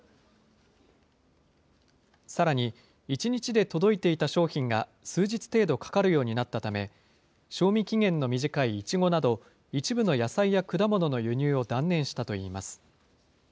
さらに１日で届いていた商品が数日程度かかるようになったため、賞味期限の短いいちごなど、一部の野菜や果物の輸入を断念したといいます。